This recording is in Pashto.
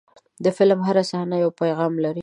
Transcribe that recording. د فلم هره صحنه یو پیغام لري.